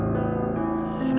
gak usah kita berdua berdua berdua